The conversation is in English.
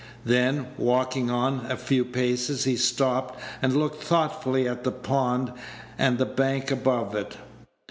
Then, walking on a few paces, he stopped, and looked thoughtfully at the pond, and the bank above it.